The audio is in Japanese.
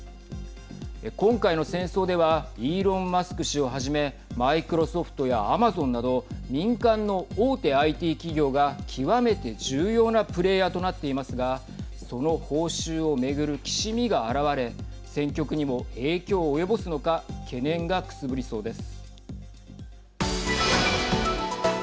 今回の戦争ではイーロン・マスク氏をはじめマイクロソフトやアマゾンなど民間の大手ＩＴ企業が極めて重要なプレーヤーとなっていますがその報酬を巡るきしみが現れ戦局にも影響を及ぼすのか懸念が、くすぶりそうです。